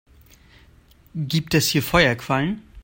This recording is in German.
Gibt es hier Feuerquallen?